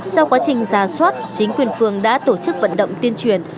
sau quá trình ra soát chính quyền phường đã tổ chức vận động tuyên truyền